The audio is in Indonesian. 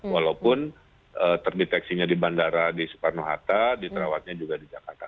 walaupun terdeteksinya di bandara di soekarno hatta di terawatnya juga di jakarta